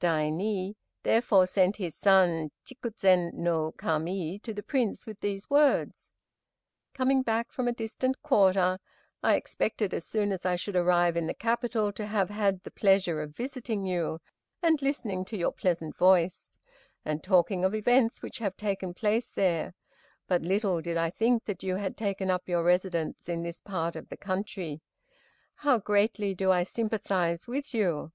Daini therefore sent his son Chikzen no Kami to the Prince with these words: "Coming back from a distant quarter I expected as soon as I should arrive in the capital to have had the pleasure of visiting you and listening to your pleasant voice, and talking of events which have taken place there, but little did I think that you had taken up your residence in this part of the country. How greatly do I sympathize with you!